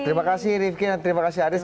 terima kasih rifki dan terima kasih aris